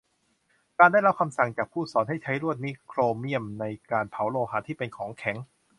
ฉันได้รับคำสั่งจากผู้สอนให้ใช้ลวดนิกโครเมี่ยมในการเผาโลหะที่เป็นของแข็ง